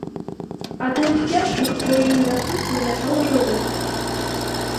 Адным з першых кожную вясну прылятаў жаўрук.